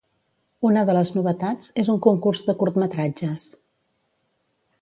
Una de les novetats és un concurs de curtmetratges.